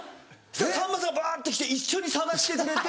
さんまさんがバっと来て一緒に探してくれて。